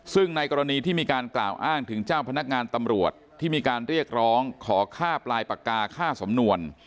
ซึ่งในกรณีที่มีการกล่าวอ้างถึงเจ้าพนักงานตำรวจที่มีการเรียกร้องขอค่าปลายปากกาค่าสำนวน